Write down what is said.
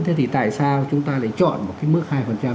thế thì tại sao chúng ta lại chọn hai tỷ đô la